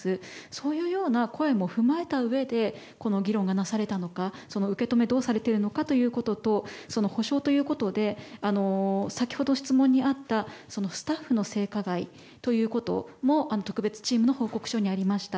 そういうような声も踏まえたうえでこの議論がなされたのか受け止めはどうされてるのかということと補償ということで先ほど質問にあったスタッフの性加害ということも特別チームの報告書にありました。